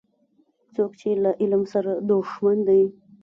څوک چي له علم سره دښمن دی